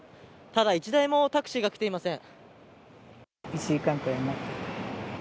ただ１台もタクシーが来ていません。